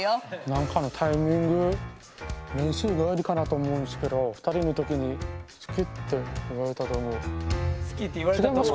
何かのタイミング練習帰りかなと思うんですけど好きって言われたと思う？